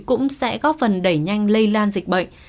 cũng sẽ góp phần đẩy nhanh lây lan dịch bệnh